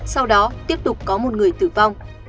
sau đó tiếp tục có một người tử vong